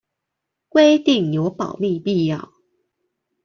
規定有保密必要